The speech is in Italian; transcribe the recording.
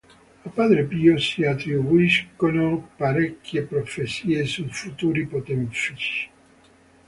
A Padre Pio si attribuiscono parecchie profezie su futuri pontefici.